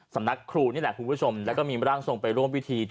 สำนักครูนี่แหละคุณผู้ชมแล้วก็มีร่างทรงไปร่วมพิธี